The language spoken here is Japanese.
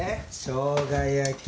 しょうが焼き。